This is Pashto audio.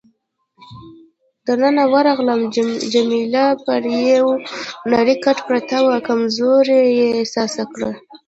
دننه ورغلم، جميله پر یو نرۍ کټ پرته وه، کمزوري یې احساس کړه.